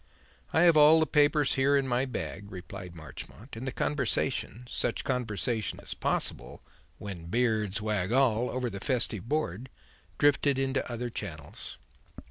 "I have all the papers here in my bag," replied Marchmont; and the conversation such conversation as is possible "when beards wag all" over the festive board drifted into other channels.